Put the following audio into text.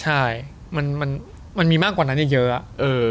ใช่มันมีมากกว่านั้นเยอะ